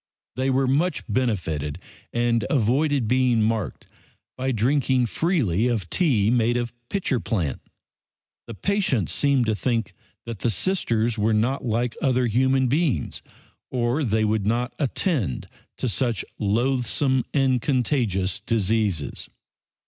They were much benefited and avoided being marked by drinking freely of tea made of "pitcher plant." The patients seemed to think the Sisters were not like other human beings, or they would not attend to such loathsome and contagious diseases.